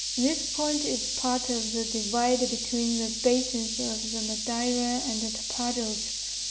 This point is part of the divide between the basins of the Madeira and Tapajos.